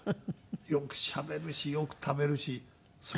よくしゃべるしよく食べるしすばらしい。